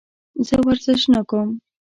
زه ورزش نه کوم.